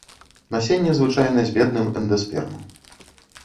Насенне звычайна з бедным эндаспермам.